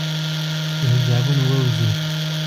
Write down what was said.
د حجابونو ووزي